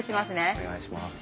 お願いします。